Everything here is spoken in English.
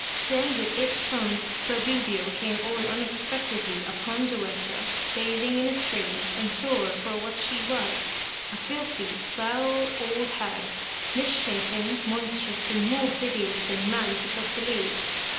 Then did it chance Fradubio came all unexpectedly upon Duessa bath ing in a stream and saw her for what she was, a filthy, foul, old hag, misshapen, monstrous and more hideous than man could have believed.